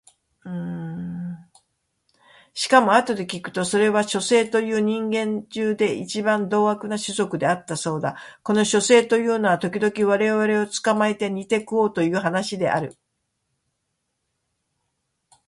しかもあとで聞くとそれは書生という人間中で一番獰悪どうあくな種族であったそうだ。この書生というのは時々我々を捕つかまえて煮にて食うという話である。